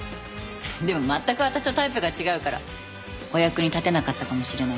でも全く私とタイプが違うからお役に立てなかったかもしれないけど。